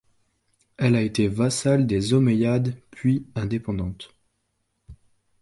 Elle a été vassale des Omeyyades, puis indépendante.